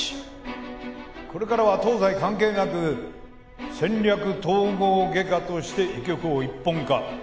これからは東西関係なく戦略統合外科として医局を一本化。